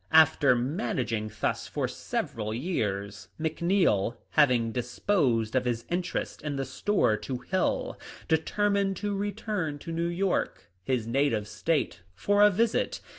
After " manag ing " thus for several years, McNeil, having disposed of his interest in the store to Hill, determined to return to New York, his native State, for a visit.